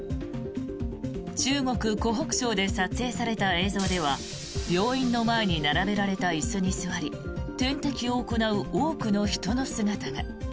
中国・湖北省で撮影された映像では病院の前に並べられた椅子に座り点滴を行う多くの人の姿が。